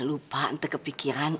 lupa ntar kepikiran